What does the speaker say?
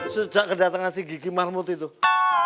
sejak kedatangan si gigi marmuti tuh